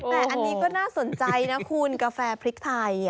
แต่อันนี้ก็น่าสนใจนะคุณกาแฟพริกไทย